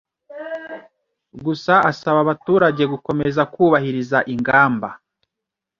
Gusa asaba abaturage gukomeza kubahiriza ingamba